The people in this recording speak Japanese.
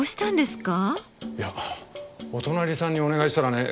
いやお隣さんにお願いしたらね